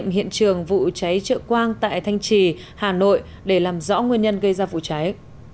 hiện trường vụ cháy trợ quang tại thanh trì hà nội để làm rõ nguyên nhân gây ra vụ cháy